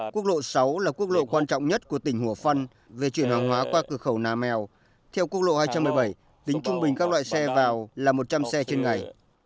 quốc lộ sáu là quốc lộ quan trọng nhất của tỉnh hủa phăn về chuyển hàng hóa qua cửa khẩu nà mèo theo quốc lộ hai trăm một mươi bảy tính trung bình các loại xe vào là một trăm linh xe trên ngày